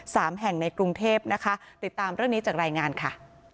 สามแห่งในกรุงเทพนะคะติดตามเรื่องนี้จากรายงานค่ะ